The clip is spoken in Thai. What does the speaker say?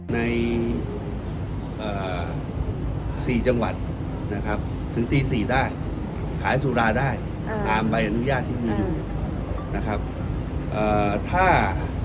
ใน๔จังหวัดถึงตี๔ได้ขายสุราได้ตามใบอนุญาตที่มีอยู่